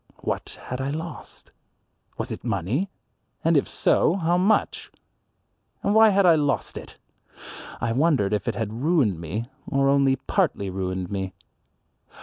What had I lost? Was it money? And if so, how much? And why had I lost it? I wondered if it had ruined me or only partly ruined me.